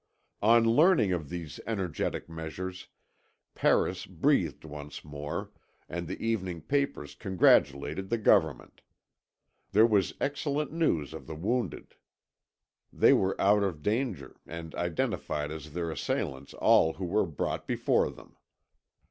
On learning of these energetic measures, Paris breathed once more, and the evening papers congratulated the Government. There was excellent news of the wounded. They were out of danger and identified as their assailants all who were brought before them.